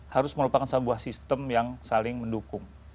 harus merupakan sebuah sistem yang saling mendukung